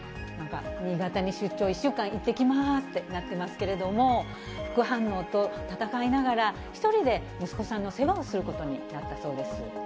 なんか、新潟に出張、１週間行ってきますってなってますけれども、副反応と闘いながら、１人で息子さんの世話をすることになったそうです。